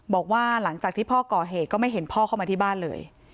บอกว่าหลังจากที่พ่อก่อเหตุก็ไม่เห็นพ่อเข้ามาที่บ้านเลย